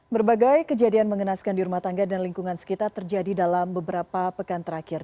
berbagai kejadian mengenaskan di rumah tangga dan lingkungan sekitar terjadi dalam beberapa pekan terakhir